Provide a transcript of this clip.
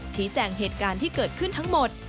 ชี้แจ่งเหตุการณ์ที่เกิดขึ้นทั้งหมด